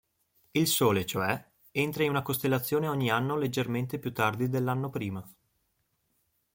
Il Sole, cioè, entra in una costellazione ogni anno leggermente più tardi dell'anno prima.